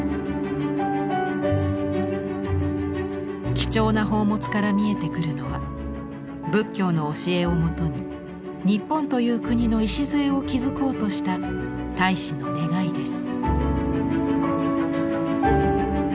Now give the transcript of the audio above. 貴重な宝物から見えてくるのは仏教の教えをもとに日本という国の礎を築こうとした「太子の願い」です。